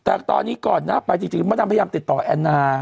แต่ตอนนี้ก่อนนะไปจริงมดำพยายามติดต่อแอนนา